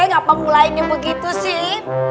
gapapa mulainya begitu sih